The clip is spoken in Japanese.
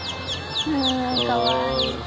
あかわいい。